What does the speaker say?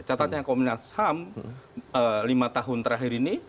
catatnya komnas ham lima tahun terakhir ini